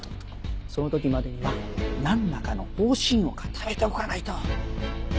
その時までには何らかの方針を固めておかないと。